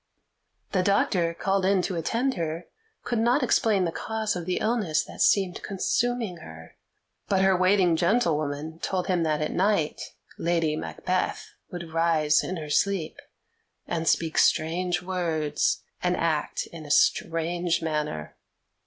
The doctor called in to attend her could not explain the cause of the illness that seemed consuming her, but her waiting gentlewoman told him that at night Lady Macbeth would rise in her sleep, and speak strange words and act in a strange manner.